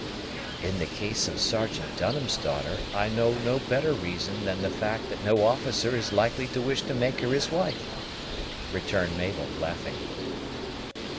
"In the case of Sergeant Dunham's daughter, I know no better reason than the fact that no officer is likely to wish to make her his wife," returned Mabel, laughing.